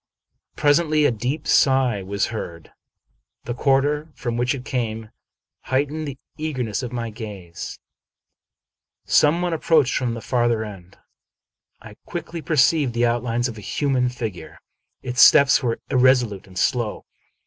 Pres ently, a deep sigh was heard. The quarter from which it came heightened the eagerness of my gaze. Some one ap proached from the farther end. I quickly perceived the out lines of a human figure. Its steps were irresolute and slow.